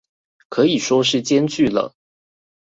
可以說是兼具了